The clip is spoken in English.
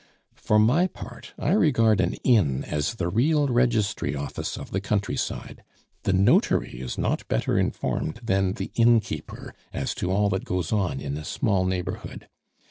For my part, I regard an inn as the real registry office of the countryside; the notary is not better informed than the innkeeper as to all that goes on in a small neighborhood.